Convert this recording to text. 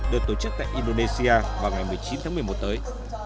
được tổ chức tại indonesia vào ngày một mươi chín tháng một mươi một tới